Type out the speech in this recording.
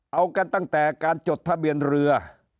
เอากันตั้งแต่การจดทะเบียนเรือ